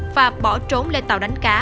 và bỏ trốn lên tàu đánh cá